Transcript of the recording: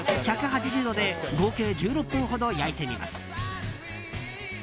１８０度で合計１６分ほど焼いてみます。